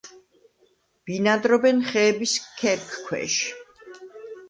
ბინადრობენ ხეების ქერქქვეშ.